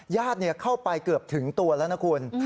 ญาติเข้าไปเกือบถึงตัวแล้วนะคุณ